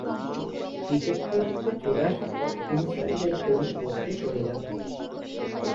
Cricket খেলা থেকে চলে আসার পর কুইন্সল্যান্ডের গোল্ড কোস্টে চলে যান।